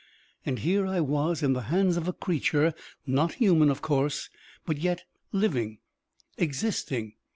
And here I was in the hands of a creature not human, of course, but yet living, existing.